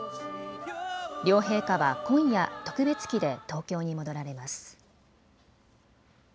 両陛下は今夜、特別機で東京に戻られます。